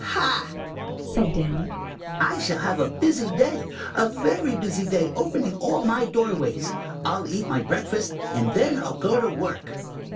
"Ha!" said Danny, "I shall have a busy day, a very busy day, opening all my doorways. I'll eat my breakfast, and then I'll go to work."